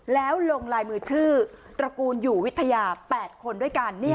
แล้วลงลายมือชื่อตระกูลอยู่วิทยา๘คนด้วยกัน